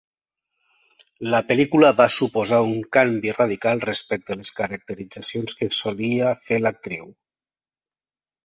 La pel·lícula va suposar un canvi radical respecte les caracteritzacions que solia fer l’actriu.